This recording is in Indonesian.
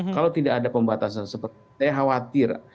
kalau tidak ada pembatasan seperti itu saya khawatir